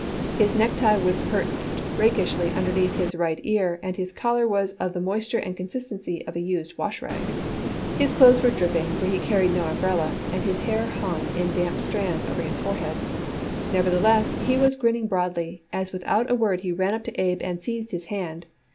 His necktie was perched rakishly underneath his right ear, and his collar was of the moisture and consistency of a used wash rag. His clothes were dripping, for he carried no umbrella, and his hair hung in damp strands over his forehead. Nevertheless he was grinning broadly, as without a word he ran up to Abe and seized his hand.